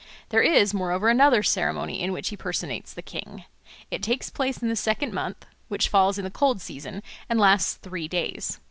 There is moreover another ceremony in which he personates the king. It takes place in the second month (which falls in the cold season) and lasts three days.